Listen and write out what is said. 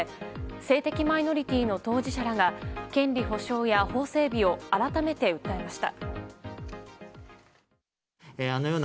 性的マイノリティーの当事者らが権利保障や法整備を改めて訴えました。